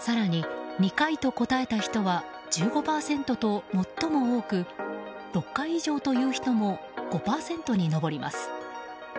更に、２回と答えた人は１５％と最も多く６回以上という人も５％に上ります。